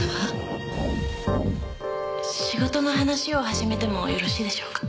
仕事の話を始めてもよろしいでしょうか？